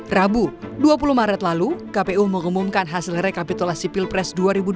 rabu dua puluh maret lalu kpu mengumumkan hasil rekapitulasi pilpres dua ribu dua puluh